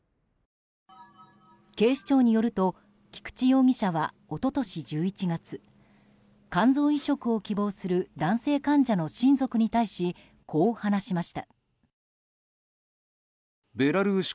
警視庁によると菊池容疑者は一昨年１１月肝臓移植を希望する男性患者の親族に対しこう話しました。